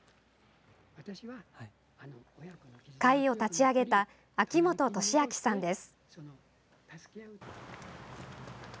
会を立ち上げた秋本敏明さんです。